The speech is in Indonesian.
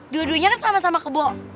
dua duanya kan sama sama kebal